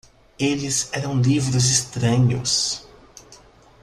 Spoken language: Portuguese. Eles eram livros estranhos.